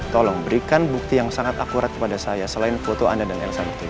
tolong berikan bukti yang sangat akurat kepada saya selain foto anda dan elsam